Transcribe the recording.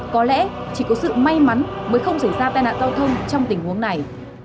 có lẽ chỉ có sự may mắn mới không xảy ra tai nạn cao thương trong tình huống này